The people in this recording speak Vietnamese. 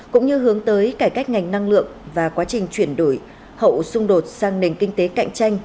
cũng như hướng tới cải cách ngành năng lượng và quá trình chuyển đổi hậu xung đột sang nền kinh tế cạnh tranh